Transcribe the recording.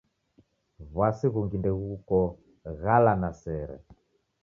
W'uasi ghungi ndeghuko ghala na sere.